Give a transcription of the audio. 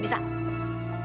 ayolah ya lu